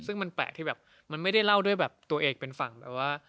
ซึ่งมันแปลกที่แบบมันไม่ได้เล่าด้วยแบบตัวเองเป็นฝั่งแบบว่า